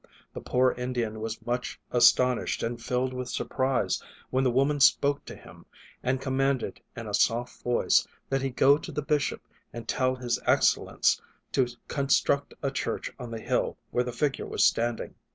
The poor Indian was much astonished and filled with surprise when the woman spoke to him and commanded in a soft voice that he go to the bishop and tell His Excellence to construct a church on the hill where the figure was standing.